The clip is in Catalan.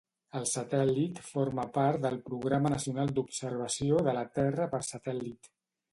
El satèl·lit forma part del Programa Nacional d'Observació de la Terra per Satèl·lit.